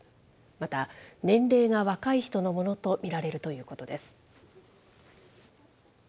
また、年齢が若い人のものと見られるということです。